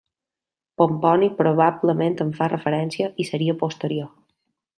Pomponi probablement en fa referència i seria posterior.